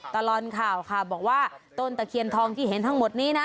ตลอดข่าวค่ะบอกว่าต้นตะเคียนทองที่เห็นทั้งหมดนี้นะ